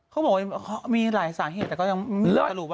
เขาบอกว่ามีหลายสาเหตุแต่ก็ยังสรุป